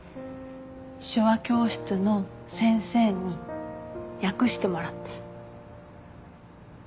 手話教室の先生に訳してもらって。